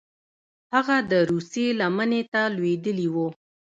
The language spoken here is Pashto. هغه د روسیې لمنې ته لوېدلي وه.